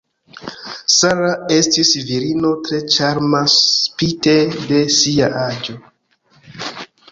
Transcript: Sara estis virino tre ĉarma spite de sia aĝo.